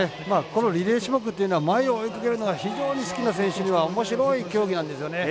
このリレー種目というのは前を追いかけるのが非常に好きな選手にはおもしろい競技なんですよね。